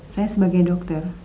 saya sebagai dokter